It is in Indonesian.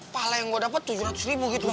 pahala yang gua dapat tujuh ratus ribu gitu